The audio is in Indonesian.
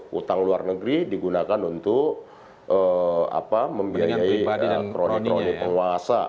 hutang luar negeri digunakan untuk membiayai kroni kronik penguasa